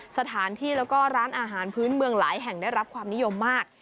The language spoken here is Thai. สถานที่แล้วก็ร้านอาหารพื้นเมืองหลายแห่งได้รับความนิยมมาก